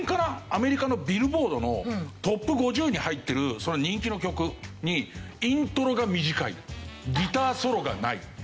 アメリカのビルボードのトップ５０に入ってる人気の曲にイントロが短いギターソロがない。